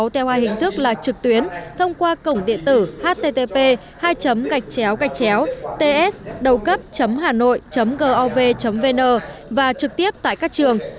theo hai hình thức là trực tuyến thông qua cổng điện tử http ts hanoi gov vn và trực tiếp tại các trường